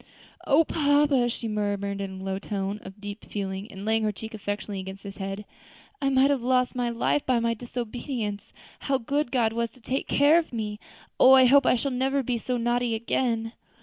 "O papa!" she murmured, in a low tone of deep feeling, laying her cheek affectionately against his hand, "I might have lost my life by my disobedience. How good God was to take care of me! Oh! I hope I shall never be so naughty again."